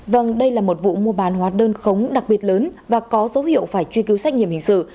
vâng đây là một vụ mua bán hóa đơn khống đặc biệt lớn và có dấu hiệu phải truy cứu trách nhiệm hình sự